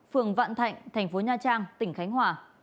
phường vạn thạnh thành phố nha trang tỉnh khánh hòa